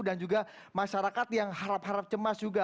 dan juga masyarakat yang harap harap cemas juga